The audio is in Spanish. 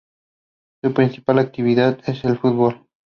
Su principal actividad es el fútbol.